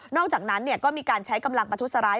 อกจากนั้นก็มีการใช้กำลังประทุษร้าย